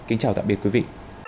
kính chào tạm biệt quý vị